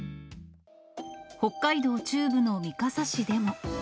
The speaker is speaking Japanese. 北海道中部の三笠市でも。